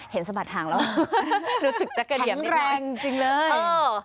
เห็นสบัติทางแล้วรู้สึกจะกระเดี่ยมนิดหน่อยทั้งแรงจริงเลยเออ